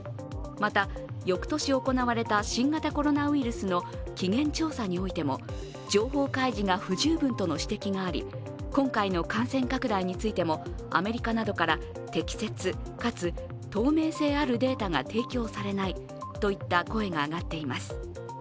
また、翌年行われた新型コロナウイルスの起源調査においても情報開示が不十分との指摘があり今回の感染拡大についてもアメリカなどから適切かつ透明性あるデータが提供されないといった声が上がっています。